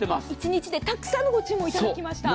１日でたくさんのご注文をいただきました。